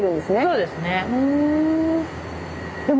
そうですね。